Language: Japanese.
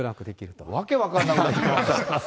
訳分からなくなってきました。